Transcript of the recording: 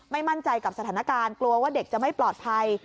มั่นใจกับสถานการณ์กลัวว่าเด็กจะไม่ปลอดภัย